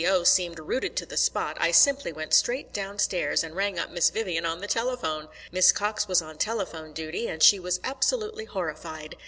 V.O. seemed rooted to the spot, I simply went straight downstairs and rang up Miss Vivian on the telephone. Miss Cox was on telephone duty, and she was absolutely horrified.